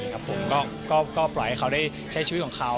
ผมก็ปล่อยให้เขาได้ใช้ชีวิตของเขา